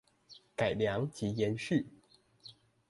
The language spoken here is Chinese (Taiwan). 改良及延續